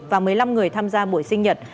và một mươi năm người tham gia buổi sinh nhật